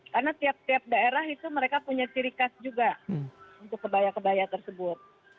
karena tiap tiap daerah itu mereka punya ciri khas juga untuk kebaya kebaya tersebut